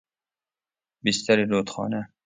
بستر رودخانه